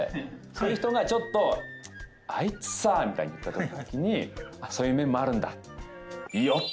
そういう人が「あいつさ」みたいに言ったときにそういう面もあるんだ。